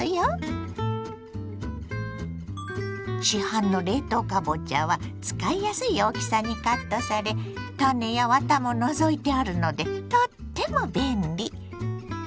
市販の冷凍かぼちゃは使いやすい大きさにカットされ種やワタも除いてあるのでとっても便利。